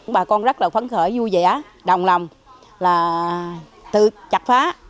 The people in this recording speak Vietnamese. bà con rất là phấn khởi vui vẻ đồng lòng là tự chặt phá